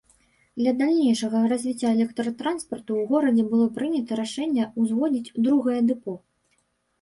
Для далейшага развіцця электратранспарту ў горадзе было прынята рашэнне ўзводзіць другое дэпо.